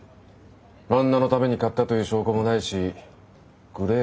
旦那のために買ったという証拠もないしグレーか。